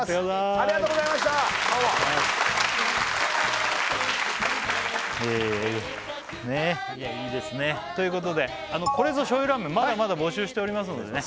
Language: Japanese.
ありがとうございましたどうもねぇいやいいですねということで「これぞ醤油ラーメン」まだまだ募集しておりますのでね